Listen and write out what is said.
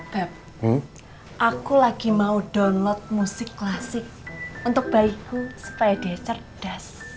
bab aku lagi mau download musik klasik untuk bayiku supaya dia cerdas